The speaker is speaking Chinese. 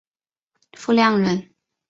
傅亮人。